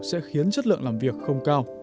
sẽ khiến chất lượng làm việc không cao